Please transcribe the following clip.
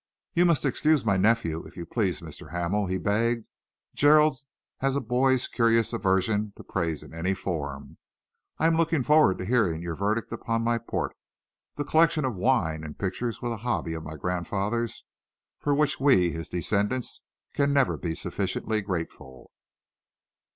"You must excuse my nephew, if you please, Mr. Hamel," he begged. "Gerald has a boy's curious aversion to praise in any form. I am looking forward to hearing your verdict upon my port. The collection of wine and pictures was a hobby of my grandfather's, for which we, his descendants, can never be sufficiently grateful."